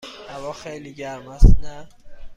هوا خیلی گرم است، نه؟